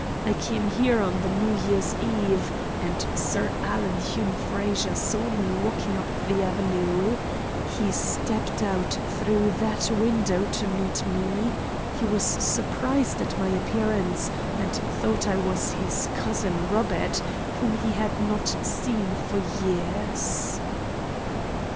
I came here on the New Year's Eve, and Sir Alan Hume Frazer saw me walking up the avenue. He stepped out through that window to meet me. He was surprised at my appearance, and thought I was his cousin Robert, whom he had not seen for years."